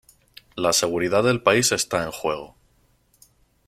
La seguridad del país está en juego.